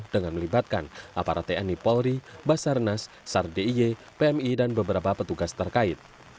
dengan melibatkan aparat tni polri basar nas sardiy pmi dan beberapa petugas terkait